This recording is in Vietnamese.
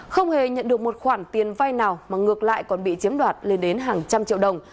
không hề nhận được một khoản tiền vay nào mà ngược lại còn bị chiếm đoạt lên đến hàng trăm triệu đồng